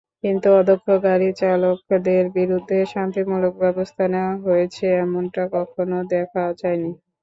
কিন্তু অদক্ষ গাড়ি চালকদের বিরুদ্ধে শাস্তিমূলক ব্যবস্থা নেওয়া হয়েছে—এমনটা কখনো দেখা যায়নি।